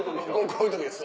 こういう時です。